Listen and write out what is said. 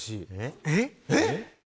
えっ？